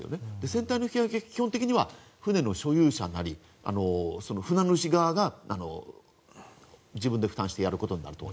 船体の引き揚げは基本的には船の所有者なり船主側が自分で負担してやることになると。